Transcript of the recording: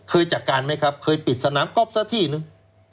เคยจัดการไหมครับเคยปิดสนามก๊อบซะที่นึง